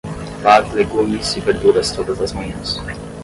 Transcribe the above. Lave legumes e verduras todas as manhãs